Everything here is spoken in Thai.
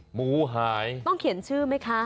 หมูหายต้องเขียนชื่อไหมคะ